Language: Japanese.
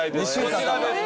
こちらです。